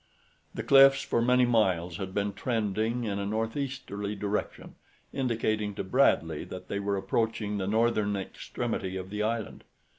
The cliffs for many miles had been trending in a northeasterly direction, indicating to Bradley that they were approaching the northern extremity of the island.